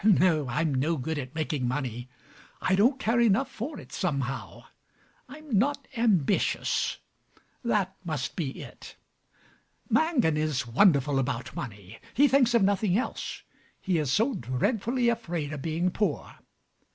No: I'm no good at making money. I don't care enough for it, somehow. I'm not ambitious! that must be it. Mangan is wonderful about money: he thinks of nothing else. He is so dreadfully afraid of being poor.